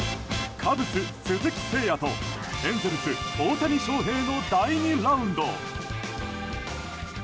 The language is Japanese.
カブス、鈴木誠也とエンゼルス、大谷翔平の第２ラウンド。